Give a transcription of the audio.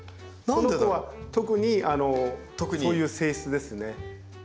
この子は特にそういう性質ですね。